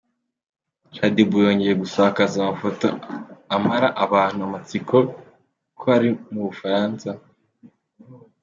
Shaddy Boo yongeye gusakaza amafoto amara abantu amatsiko ko ari mu bufaransa.